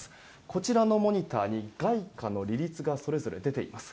こちらのモニターに外貨の利率が出ています。